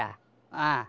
ああ。